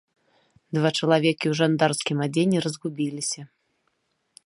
Два чалавекі ў жандарскім адзенні разгубіліся.